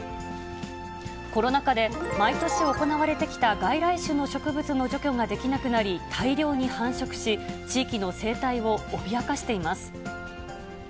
コロナ禍で毎年行われてきた外来種の植物の除去ができなくなり、大量に繁殖し、地域の生態を脅かしています。